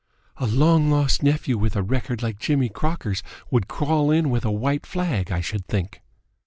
"A long lost nephew with a record like Jimmy Crocker's would crawl in with a white flag, I should think."